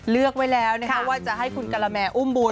เลือกไว้แล้วว่าจะให้คุณกะละแม่อุ้มบุญ